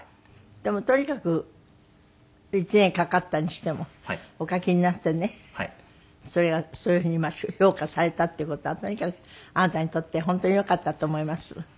でもとにかく１年かかったにしてもお書きになってねそれがそういう風に今評価されたっていう事はとにかくあなたにとって本当によかったと思います。